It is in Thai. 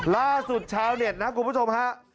ล่าสุดชาวเน็ตนะคุณผู้ชมฮะ